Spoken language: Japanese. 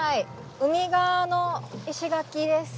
海側の石垣です。